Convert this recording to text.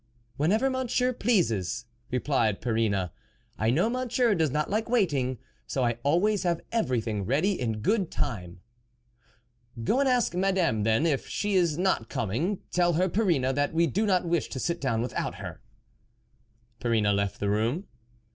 " Whenever Monsieur pleases," replied Perrine. " I know Monsieur does not like waiting ; so I always have everything ready in good time." " Go and ask Madame, then, if she is not coming ; tell her, Perrine, that we do not wish to sit down without her." Perrine left the room.